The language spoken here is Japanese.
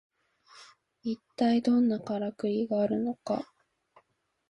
いったいどんなカラクリがあるのか